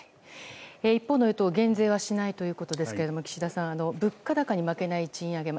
一方の与党減税はしないということですが岸田さん物価高に負けない賃上げ